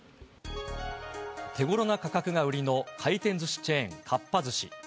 手ごろな価格が売りの回転ずしチェーン、かっぱ寿司。